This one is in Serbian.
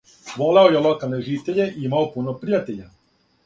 Волео је локалне житеље и имао пуно пријатеља.